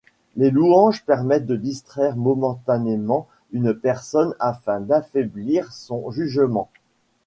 Les louanges permettent de distraire momentanément une personne afin d'affaiblir son jugement.